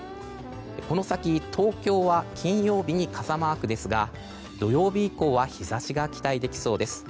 この先、東京は金曜日に傘マークですが土曜日以降は日差しが期待できそうです。